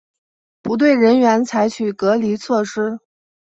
不对人员采取隔离措施